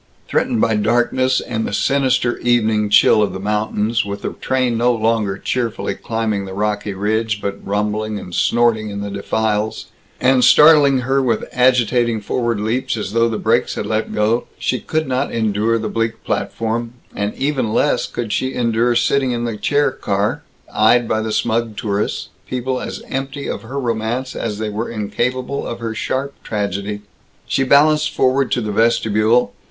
Threatened by darkness and the sinister evening chill of the mountains, with the train no longer cheerfully climbing the rocky ridge but rumbling and snorting in the defiles, and startling her with agitating forward leaps as though the brakes had let go, she could not endure the bleak platform, and even less could she endure sitting in the chair car, eyed by the smug tourists people as empty of her romance as they were incapable of her sharp tragedy. She balanced forward to the vestibule.